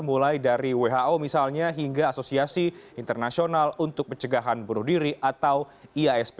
mulai dari who misalnya hingga asosiasi internasional untuk pencegahan bunuh diri atau iasp